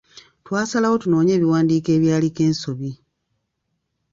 Twasalawo tunoonye ebiwandiiko ebyaliko ensobi.